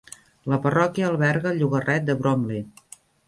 La parròquia alberga el llogaret de Bromley.